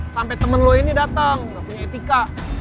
sampai temen lo ini datang gak punya etika